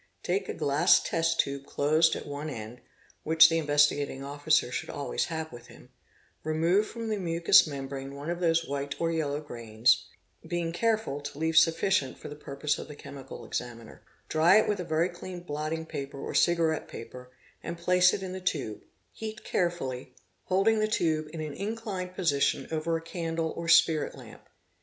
Take a glass test tube closed at one end (which the Investigating Officer should always have with him), remove from the mucous membrane one of these white or yellow grains, being careful to — leave sufficient for the purposes of the chemical examiner, dry it with very clean blotting paper or cigarette paper, and place it in the tube, heat carefully, holding the tube in an inclined position over a candle or spirit lamp.